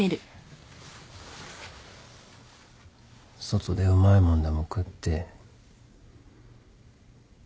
外でうまいもんでも食って。